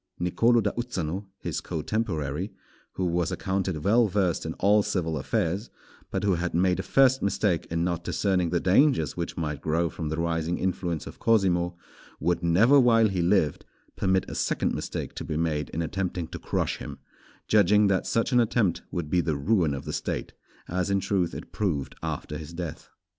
Nicolò da Uzzano, his cotemporary, who was accounted well versed in all civil affairs, but who had made a first mistake in not discerning the dangers which might grow from the rising influence of Cosimo, would never while he lived, permit a second mistake to be made in attempting to crush him; judging that such an attempt would be the ruin of the State, as in truth it proved after his death.